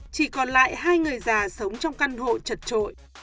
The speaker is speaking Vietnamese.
chỉ còn lại hai người già sống trong căn hộ trật trội